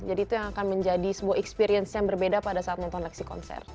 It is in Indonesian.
jadi itu yang akan menjadi sebuah experience yang berbeda pada saat menonton lexiconcert